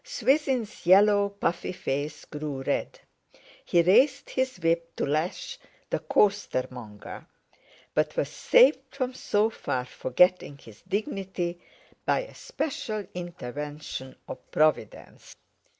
Swithin's yellow, puffy face grew red; he raised his whip to lash the costermonger, but was saved from so far forgetting his dignity by a special intervention of Providence.